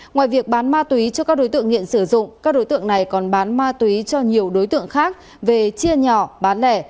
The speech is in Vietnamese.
ngoài việc bán ma túy cho các đối tượng nghiện sử dụng các đối tượng này còn bán ma túy cho nhiều đối tượng khác về chia nhỏ bán lẻ